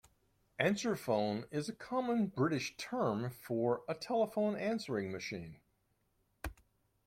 Answerphone is a common British term for a telephone answering machine